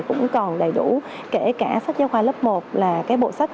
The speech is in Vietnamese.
cũng còn đầy đủ kể cả sách giáo khoa lớp một là cái bộ sách